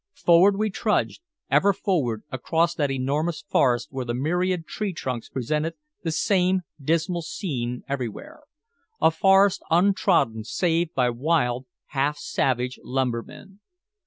Forward we trudged, ever forward, across that enormous forest where the myriad treetrunks presented the same dismal scene everywhere, a forest untrodden save by wild, half savage lumbermen.